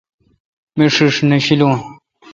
مہ ݭݭ نہ شیلوں۔